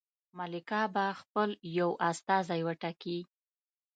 ملکه به خپل یو استازی وټاکي.